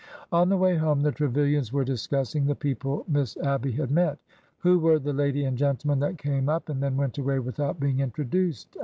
On the way home the Trevilians were discussing the peo ple Miss Abby had met. '' Who were the lady and gentleman that came up and then went away without being introduced